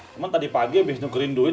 cuman tadi pagi abis nukerin duit